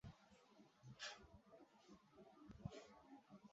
সাসেক্সের পক্ষ হয়ে অভিষেকেই সেঞ্চুরি করেন রাইট।